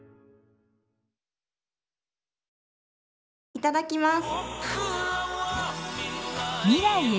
いただきます。